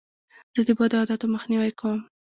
زه د بدو عادتو مخنیوی کوم.